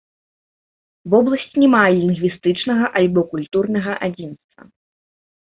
Вобласць не мае лінгвістычнага альбо культурнага адзінства.